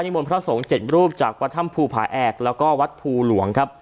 มนต์พระสงฆ์๗รูปจากวัดถ้ำภูผาแอกแล้วก็วัดภูหลวงครับ